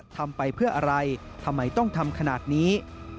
ทำไปเพื่ออะไรทำไมต้องทำขนาดนี้